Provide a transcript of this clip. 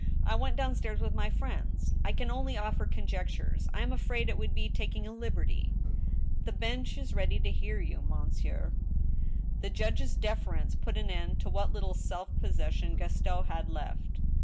I went down stairs with my friends. ... I can only offer conjectures. ... I am afraid it would be taking a liberty —"" The bench is ready to hear you. monsieur ?" The judge's deference put an end to what little self possession Gaston had left.